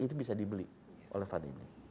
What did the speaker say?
itu bisa dibeli oleh fadime